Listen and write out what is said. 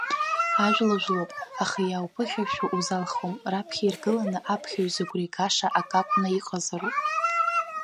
Ажәла жәлоуп, аха иаауԥыхьашәо узалхуам, раԥхьа иргыланы аԥхьаҩ зыгәра игаша акакәны иҟазароуп.